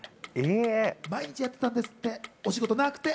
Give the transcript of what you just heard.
毎日やってたんですって、お仕事なくて。